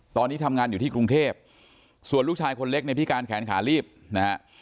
ตอนนี้ทำงานอยู่ที่กรุงเทพส่วนลูกชายคนเล็กในพิการแขนขาลีบนะฮะ